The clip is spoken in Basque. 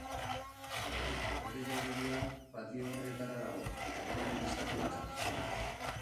Errege jauregia, patio honen ezkerretara dago, eta erregearen estatuak atzean.